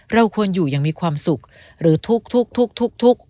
เราควรอยู่อย่างมีความสุขหรือทุกทุกข์